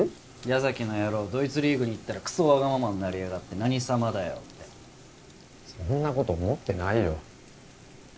矢崎の野郎ドイツリーグに行ったらクソわがままになりやがって何様だよってそんなこと思ってないよ